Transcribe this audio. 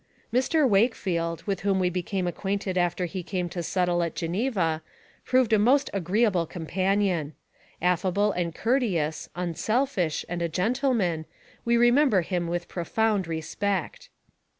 Mr. Wakefield, with whom we became acquainted after he came to settle at Geneva, proved a most agree AMONG THE SIOUX INDIANS. 15 able companion. Affable and courteous, unselfish, and a gentleman, we remember him with profound respect.